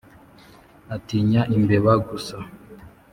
Atinya imbeba gusa